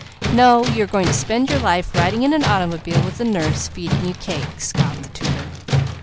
"No, you are going to spend your life riding in an automobile with a nurse, feeding you cake!" scoffed the tutor.